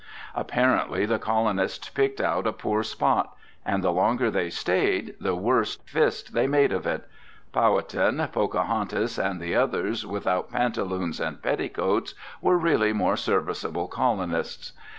Apparently the colonists picked out a poor spot; and the longer they stayed, the worse fist they made of it. Powhattan, Pocahontas, and the others without pantaloons and petticoats, were really more serviceable colonists.